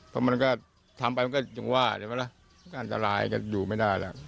เพราะมันก็ทำไปมันก็ยังว่าใช่ไหมล่ะก็อันตรายก็อยู่ไม่ได้แล้ว